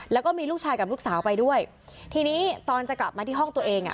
แล้วก็มีลูกชายกับลูกสาวไปด้วยทีนี้ตอนจะกลับมาที่ห้องตัวเองอ่ะ